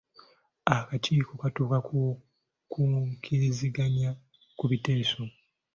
Akakiiko katuuka ku kukkiriziganya ku biteeso.